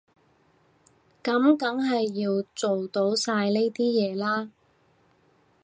噉梗係要做到晒呢啲嘢啦